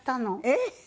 えっ？